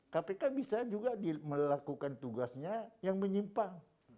kpk bisa juga melakukan tugasnya yang menyimpang